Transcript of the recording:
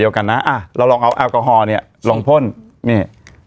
เอามาใช้อีกที